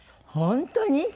本当に？